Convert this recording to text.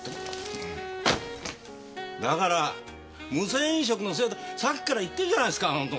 だから無銭飲食のせいさっきから言ってるじゃない！